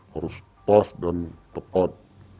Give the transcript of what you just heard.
harus pas dan tepat